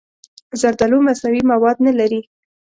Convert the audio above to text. زردالو مصنوعي مواد نه لري.